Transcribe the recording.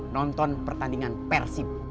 nonton pertandingan persib